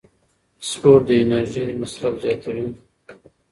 سپورت د انرژۍ مصرف زیاتوي.